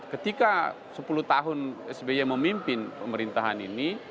ketika sepuluh tahun sby memimpin pemerintahan ini